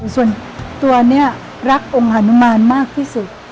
ส่วนตัวนี้รักองค์ฮานุมานมากที่สุด